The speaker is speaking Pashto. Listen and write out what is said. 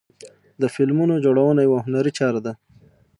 د فلمونو جوړونه یوه هنري چاره ده.